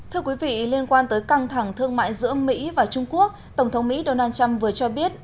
thưa quý vị liên quan tới căng thẳng thương mại giữa mỹ và trung quốc tổng thống mỹ donald trump vừa cho biết